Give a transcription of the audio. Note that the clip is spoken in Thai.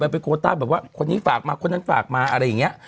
อัฐว่าคนนี้ฝากมาคนนั้นฝากมาอะไรอย่างเงี้ย